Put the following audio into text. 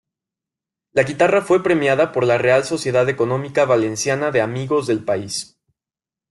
La guitarra fue premiada por la Real Sociedad Económica Valenciana de Amigos del País.